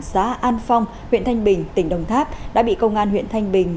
xã an phong huyện thanh bình tỉnh đồng tháp đã bị công an huyện thanh bình